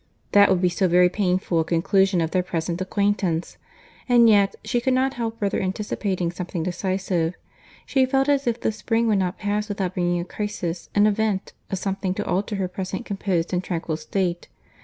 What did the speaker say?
That would be so very painful a conclusion of their present acquaintance! and yet, she could not help rather anticipating something decisive. She felt as if the spring would not pass without bringing a crisis, an event, a something to alter her present composed and tranquil state.